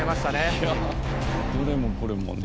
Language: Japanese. いやどれもこれもね。